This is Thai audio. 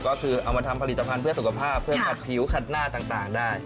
ก็คือเอามาทำผลิตภัณฑ์เพื่อสุขภาพเพื่อขัดผิวขัดหน้าต่างได้